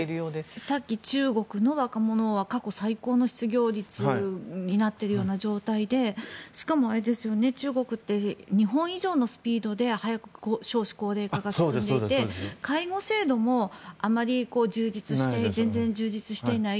だって、さっき中国の若者は過去最高の失業率になっているような状態でしかも、中国って日本以上のスピードで早く少子高齢化が進んでいて介護制度もあまり充実していない全然充実していない。